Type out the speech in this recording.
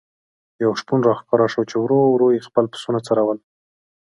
یو شپون را ښکاره شو چې ورو ورو یې خپل پسونه څرول.